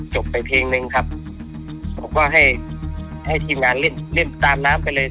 จบไปเพลงนึงครับผมก็ให้ให้ทีมงานเล่นเล่นตามน้ำไปเลย